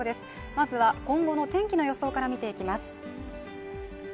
まずは今後の天気の予想から見ていきます